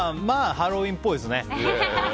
ハロウィーンっぽいですね。